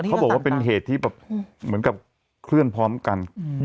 เขาบอกว่าเป็นเหตุที่แบบเหมือนกับเคลื่อนพร้อมกัน